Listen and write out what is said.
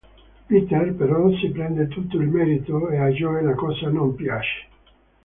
Peter però si prende tutto il merito e a Joe la cosa non piace.